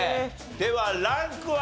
ではランクは？